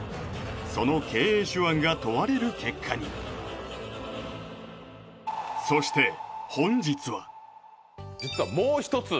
その経営手腕が問われる結果にそして本日は実はもう一つ